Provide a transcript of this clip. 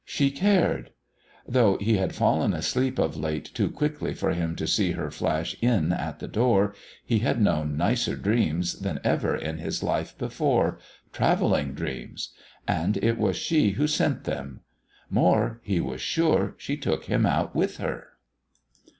She cared. Though he had fallen asleep of late too quickly for him to see her flash in at the door, he had known nicer dreams than ever in his life before travelling dreams. And it was she who sent them. More he was sure she took him out with her.